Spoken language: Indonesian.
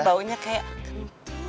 baunya kayak kentu